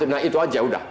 nah itu aja udah